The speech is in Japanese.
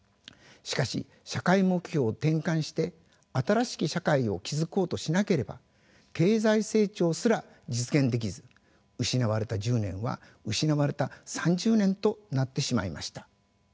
しかし社会目標を転換して新しき社会を築こうとしなければ経済成長すら実現できず失われた１０年は失われた３０年となってしまいました。